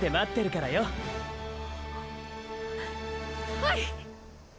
はい！